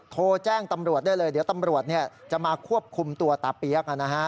โทรแจ้งตำรวจได้เลยเดี๋ยวตำรวจจะมาควบคุมตัวตาเปี๊ยก